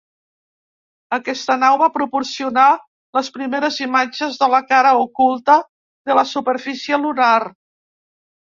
Aquesta nau va proporcionar les primeres imatges de la cara oculta de la superfície lunar.